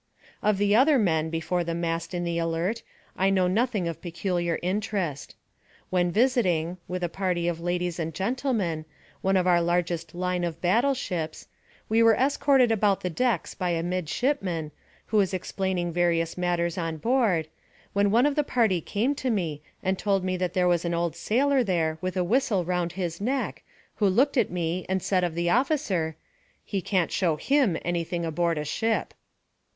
Of the other men before the mast in the Alert, I know nothing of peculiar interest. When visiting, with a party of ladies and gentlemen, one of our largest line of battle ships, we were escorted about the decks by a midshipman, who was explaining various matters on board, when one of the party came to me and told me that there was an old sailor there with a whistle round his neck, who looked at me and said of the officer, "he can't show him anything aboard a ship."